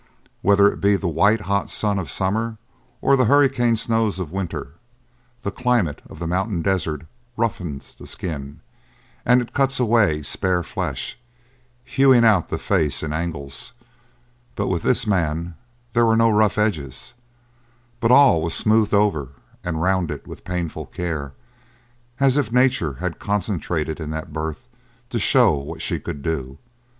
Whether it be the white hot sun of summer or the hurricane snows of winter, the climate of the mountain desert roughens the skin, and it cuts away spare flesh, hewing out the face in angles; but with this man there were no rough edges, but all was smoothed over and rounded with painful care; as if nature had concentrated in that birth to show what she could do.